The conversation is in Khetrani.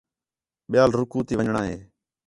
ٻِیال رکوع تی ون٘ڄݨاں ہِے